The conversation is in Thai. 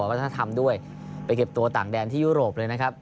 วัฒนธรรมด้วยไปเก็บตัวต่างแดนที่ยุโรปเลยนะครับ